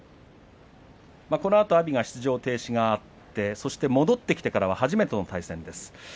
このあと、阿炎が出場停止があって、そして戻ってきてから初めての対戦です。